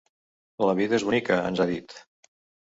“La vida és bonica”, ens ha dit.